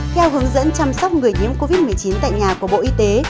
theo hướng dẫn chăm sóc người nhiễm covid một mươi chín tại nhà của bộ y tế